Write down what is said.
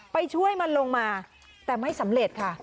ไปช่วยมันลงมาแต่ไม่สำเร็จค่ะ